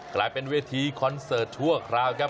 กลายเป็นเวทีคอนเสิร์ตชั่วคราวครับ